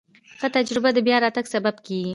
ښه تجربه د بیا راتګ سبب کېږي.